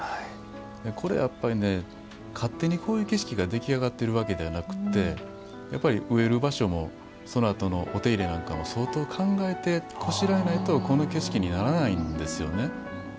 これは勝手にこういう景色が出来上がっているわけじゃなくて植える場所もそのあともお手入れなんかも相当、考えてこしらえないとこの景色にならないんですよね。